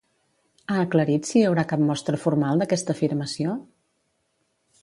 Ha aclarit si hi haurà cap mostra formal d'aquesta afirmació?